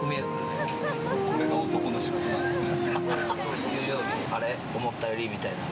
これが男の仕事なんですね。